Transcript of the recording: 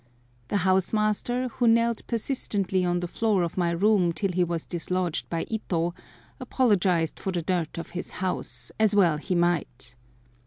The house master, who knelt persistently on the floor of my room till he was dislodged by Ito, apologised for the dirt of his house, as well he might.